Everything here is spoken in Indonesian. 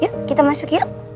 yuk kita masuk yuk